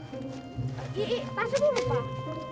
i ih pasang dulu pak